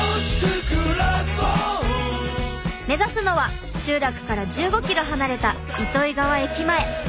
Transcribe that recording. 目指すのは集落から１５ｋｍ離れた糸魚川駅前。